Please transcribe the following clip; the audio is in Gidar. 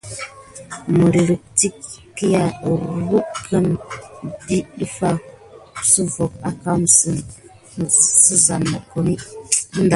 Məlikia tirime kine ɗiya adako sivoh akan tisic asane mokoni.